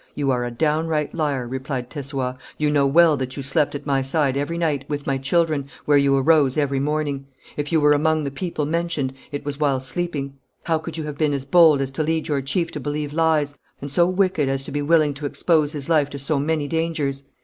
"You are a downright liar," replied Tessoüat, "you know well that you slept at my side every night, with my children, where you arose every morning; if you were among the people mentioned, it was while sleeping. How could you have been as bold as to lead your chief to believe lies, and so wicked as to be willing to expose his life to so many dangers?